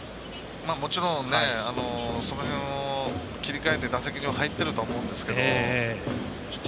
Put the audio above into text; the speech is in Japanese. もちろん、その辺を切り替えて打席には入っているとは思うんですけど。